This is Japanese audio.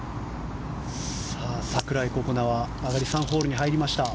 櫻井心那は上がり３ホールに入りました。